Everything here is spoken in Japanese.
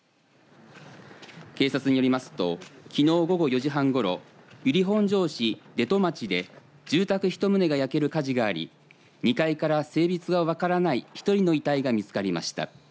警察によりますときのう午後４時半ごろ本庄市出戸町で住宅一棟が焼ける火事があり２階から性別が分からない１人の遺体が見つかりました。